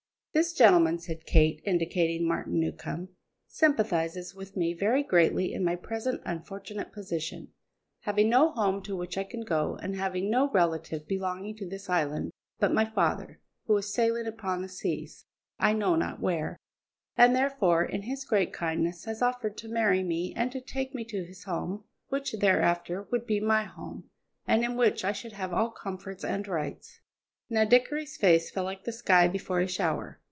"This gentleman," said Kate, indicating Martin Newcombe, "sympathizes with me very greatly in my present unfortunate position: having no home to which I can go, and having no relative belonging to this island but my father, who is sailing upon the seas, I know not where; and therefore, in his great kindness, has offered to marry me and to take me to his home, which thereafter would be my home, and in which I should have all comforts and rights." Now Dickory's face was like the sky before a shower.